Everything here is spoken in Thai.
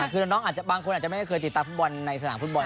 คือน้องบางคนบางคนไม่เคยติดตัดฟุตบอลในสถานพุทธบอล